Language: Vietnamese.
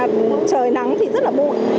trời nắng thì rất là bụi